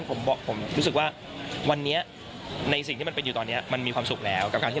ทุกคนก็มีความสุขในการจิ้น